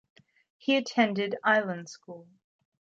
He attended Island School.